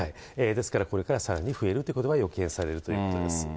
ですから、これからさらに増えるということが予見されるということです。